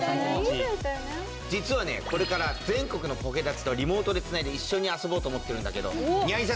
実はねこれから全国のポケだちとリモートでつないで一緒に遊ぼうと思ってるんだけどニャ